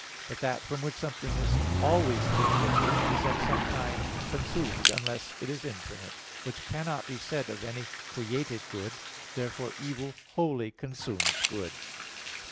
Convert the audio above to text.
But that from which something is always being removed, is at some time consumed, unless it is infinite, which cannot be said of any created good. Therefore evil wholly consumes good.